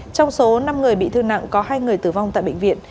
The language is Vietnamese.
trong số năm người bị thương nặng có hai người tử vong tại bệnh viện